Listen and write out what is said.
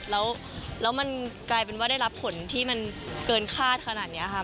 แล้วมันกลายเป็นว่าได้รับผลที่มันเกินคาดขนาดนี้ค่ะ